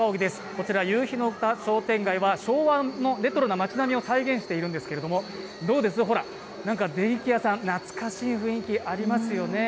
こちら夕日の丘商店街では昭和のレトロな街並みを再現しているんですけども、どうです、ほら電器屋さん、懐かしい感じしますね。